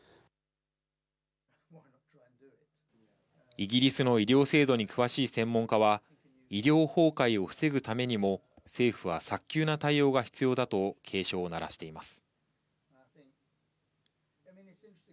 イギリスの医療制度に詳しい専門家は、医療崩壊を防ぐためにも、政府は早急な対応が必要だと警鐘を鳴らしています。